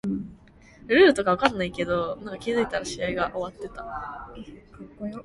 할아버지가 지난주에 돌아가셨어요.